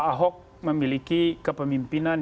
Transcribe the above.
ahok memiliki kepemimpinan